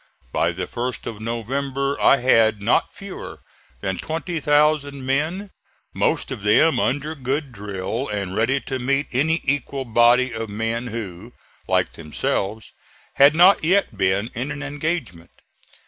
By the 1st of November I had not fewer than 20,000 men, most of them under good drill and ready to meet any equal body of men who, like themselves, had not yet been in an engagement.